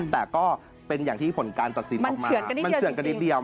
แต่ก็เป็นอย่างที่ผลการตัดสินออกมามันเสื่อมกันนิดเดียว